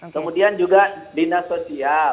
kemudian juga dina sosial